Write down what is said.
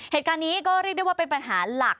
เหตุการณ์นี้ก็เรียกได้ว่าเป็นปัญหาหลัก